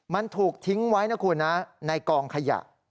มันถูกทิ้งไว้นะคุณนะในกองขยะ